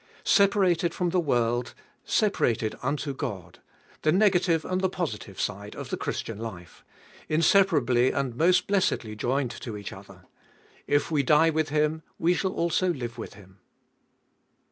1. Separated from the world, separated unto God— the negative and the positive side of the Christian life ; Inseparably and most blessedly joined to each other. If we die with Him we shall also live with Him.